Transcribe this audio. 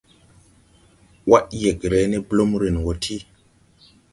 Wad yɛgre ne blumrin wɔ ti.